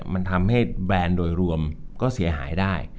มันทำให้แบรนด์โดยรวมก็เสียหายได้